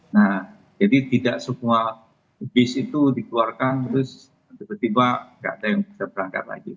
nah jadi tidak semua bis itu dikeluarkan terus tiba tiba nggak ada yang bisa berangkat lagi